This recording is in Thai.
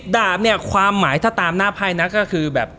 ดาบเนี่ยความหมายถ้าตามหน้าไพ่นะก็คือแบบ